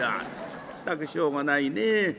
全くしょうがないねえ。